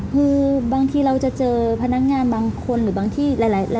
คือบางทีเราจะเจอพนักงานบางคนหรือบางที่หลาย